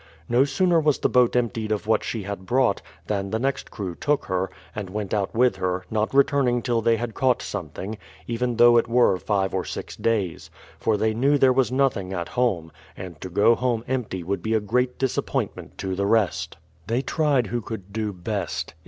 No sooner was the boat emptied of what she had brought, than the next crew took her, and went out with her, not returning till they had caught something, even though it were five or six days, for they knew there was nothing at home, and to go home empty would be a great disappointment to the rest. 118 BRADFORD'S HISTORY OF They tried who could do best.